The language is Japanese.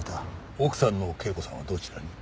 奥さんの圭子さんはどちらに？